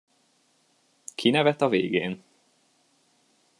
Ki nevet a végén?